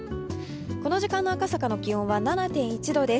この時間の赤坂の気温は７．１度です。